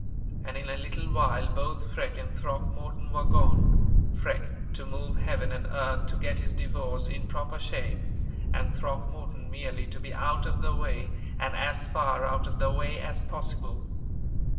And, in a little while, both Freke and Throckmorton were gone Freke, to move heaven and earth to get his divorce in proper shape; and Throckmorton, merely to be out of the way, and as far out of the way as possible.